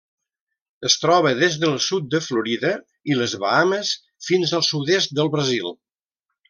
Es troba des del sud de Florida i les Bahames fins al sud-est del Brasil.